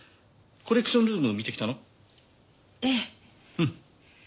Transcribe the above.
うん。